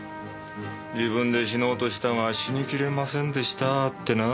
自分で死のうとしたが死に切れませんでしたってな。